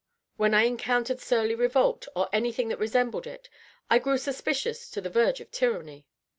When I encountered surly revolt, or any thing that resembled it, I grew suspicious to the verge of tyranny.